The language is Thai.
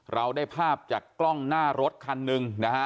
เราได้ภาพจากกล้องหน้ารถคันหนึ่งนะฮะ